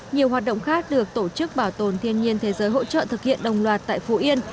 nhiều hoạt động khác được tổ chức bảo tồn thiên nhiên thế giới hỗ trợ thực hiện đồng loạt tại phú yên